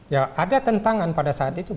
ya ada tentangan pada saat itu